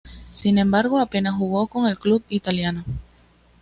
Sin embargo apenas jugó con el club italiano.